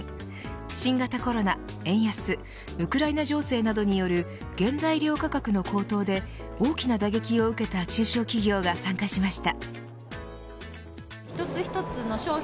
新型コロナ、円安ウクライナ情勢などによる原材料価格の高騰で大きな打撃を受けた中小企業が参加しました。